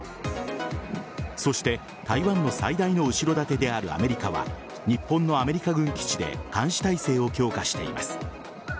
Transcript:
そして台湾の最大の後ろ盾であるアメリカは日本のアメリカ軍基地で監視体制を強化しています。